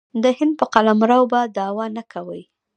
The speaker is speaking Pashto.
د هند په قلمرو به دعوه نه کوي.